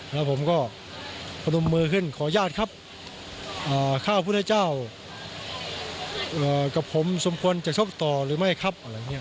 แล้วผมก็พนมมือขึ้นขออนุญาตครับข้าพุทธเจ้ากับผมสมควรจะชกต่อหรือไม่ครับอะไรอย่างนี้